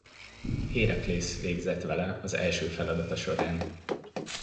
Héraklész végzett vele az első feladata során.